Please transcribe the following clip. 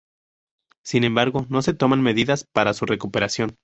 Sin embargo, no se toman medidas para su recuperación.